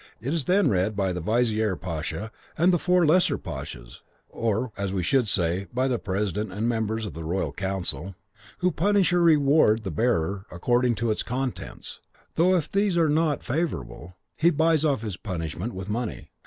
It is then read by the vizier pasha and the four lesser pashas, (or, as we should say, by the president and members of the royal council,) who punish or reward the bearer according to its contents; though, if these are not favourable, he buys off his punishment with money.